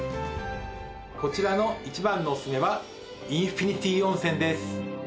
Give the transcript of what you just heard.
こちらの一番のおすすめはインフィニティ温泉です